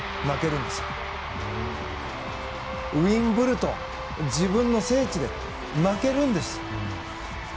ウィンブルドン、自分の聖地で負けるんです。